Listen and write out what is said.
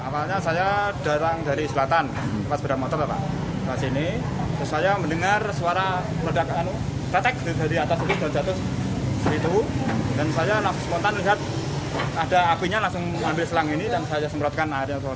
berdekan retek dari atas itu jatuh dan saya langsung spontan lihat ada apinya langsung ambil selang ini dan saya semprotkan